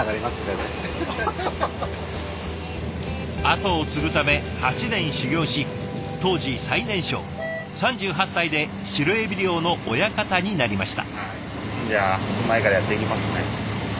後を継ぐため８年修業し当時最年少３８歳でシロエビ漁の親方になりました。